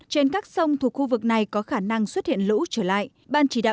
trên các sông thuộc khu vực này có khả năng xuất hiện lũ trở lại